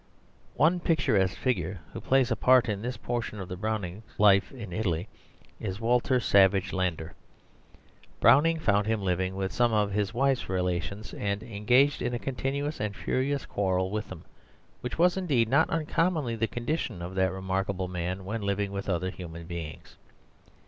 One picturesque figure who plays a part in this portion of the Brownings' life in Italy is Walter Savage Landor. Browning found him living with some of his wife's relations, and engaged in a continuous and furious quarrel with them, which was, indeed, not uncommonly the condition of that remarkable man when living with other human beings.